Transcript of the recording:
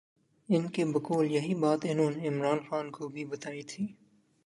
ان کے بقول یہی بات انہوں نے عمران خان کو بھی بتائی تھی۔